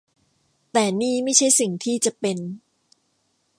แต่นี่ไม่ใช่สิ่งที่จะเป็น